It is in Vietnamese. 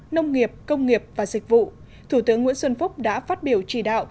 nông nghiệp công nghiệp và dịch vụ thủ tướng nguyễn xuân phúc đã phát biểu chỉ đạo